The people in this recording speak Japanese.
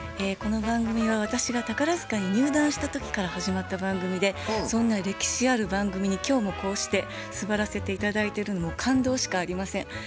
この番組は私が宝塚に入団した時から始まった番組でそんな歴史ある番組に今日もこうして座らせて頂いてるのは感動しかありません。